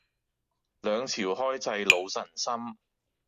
兩朝開濟老臣心